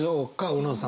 小野さん。